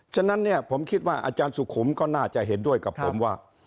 ฉะนั้นเนี่ยผมคิดว่าอาจารย์สุขุมก็น่าจะเห็นด้วยกับผมว่า